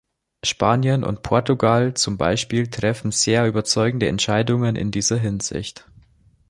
Spanien und Portugal zum Beispiel treffen sehr überzeugende Entscheidungen in dieser Hinsicht.